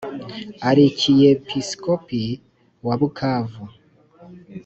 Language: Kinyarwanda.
arikiyepisikopi wa bukavu,